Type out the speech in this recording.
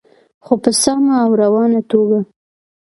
خو په سمه او روانه توګه.